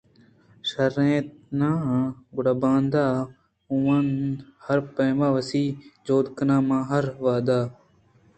شر اِنت ناں؟ گڑا باندا ہئو من ہر پیم ءَ وسیں جہد کناں من ہر وہد ءَ